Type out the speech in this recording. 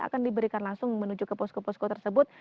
akan diberikan langsung menuju ke posko posko tersebut